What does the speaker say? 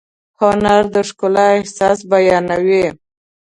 هنر د ښکلا احساس بیانوي.